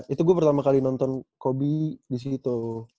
itu gue pertama kali nonton kobi di situ